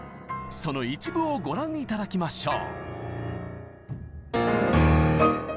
その一部をご覧頂きましょう！